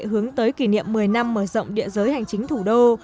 hướng tới kỷ niệm một mươi năm mở rộng địa giới hành chính thủ đô